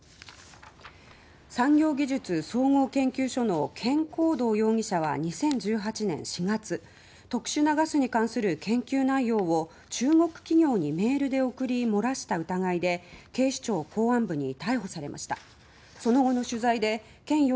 産業技術総合研究所のケン・コウドウ容疑者は２０１８年４月特殊なガスに関する研究内容を中国企業にメールで送り漏らした疑いで警視庁公安部に逮捕されました。